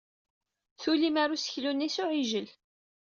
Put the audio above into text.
Tulim ar useklu-nni s uɛijel.